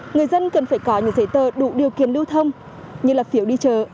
người dân cần phải có những giấy tờ đủ điều kiện lưu thông như là phiếu đi chợ